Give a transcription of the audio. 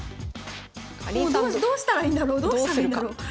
もうどうしたらいいんだろうどうしたらいいんだろう？